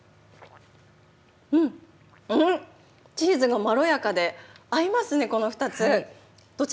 うん、チーズがまろやかで、合いますね、この２つ。